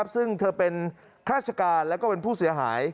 ซึ่งเธอเป็นข้าราชการแล้วก็เป็นผู้เสียหาย